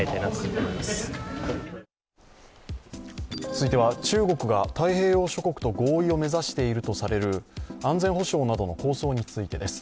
続いては、中国が太平洋諸国と合意を目指しているとされる安全保障などの構想についてです。